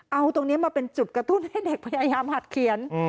เอาตรงนี้มาเป็นจุดกระตุ้นให้เด็กพยายามหัดเขียน